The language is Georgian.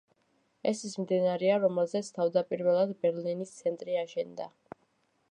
ეს ის მდინარეა, რომელზეც თავდაპირველად ბერლინის ცენტრი აშენდა.